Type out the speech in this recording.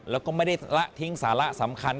แล้วก็ไม่ได้ละทิ้งสาระสำคัญ